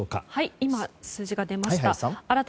今、数字が出ました。